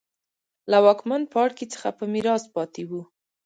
له واکمن پاړکي څخه په میراث پاتې وو.